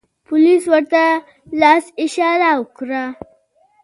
پولیس ورته لاس اشاره و کړه.